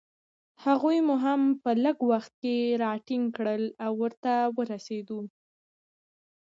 هغوی مو هم په لږ وخت کې راټینګ کړل، او ورته ورسېدو.